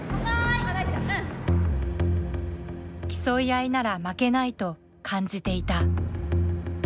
競い合いなら負けないと感じていた。